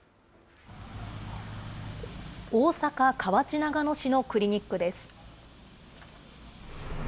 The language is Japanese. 大阪・河内長野市のクリニックです。